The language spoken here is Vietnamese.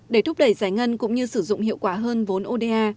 để thúc đẩy giải ngân cũng như sử dụng hiệu quả hơn vốn oda